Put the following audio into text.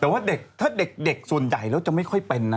แต่ว่าเด็กถ้าเด็กส่วนใหญ่แล้วจะไม่ค่อยเป็นนะ